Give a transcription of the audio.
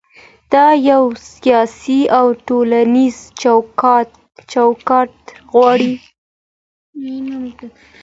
دوی یو سیاسي او ټولنیز چوکاټ غواړي.